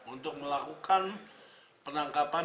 untuk melakukan penangkapan